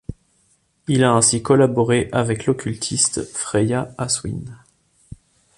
Il a ainsi collaboré avec l’occultiste Freya Aswynn.